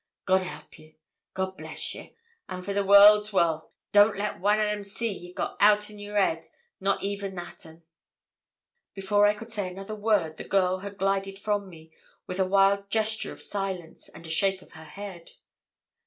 God help ye; God bless ye; an', for the world's wealth, don't ye let one o' them see ye've got ought in your head, not even that un.' Before I could say another word, the girl had glided from me, with a wild gesture of silence, and a shake of her head.